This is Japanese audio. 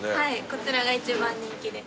こちらが一番人気です。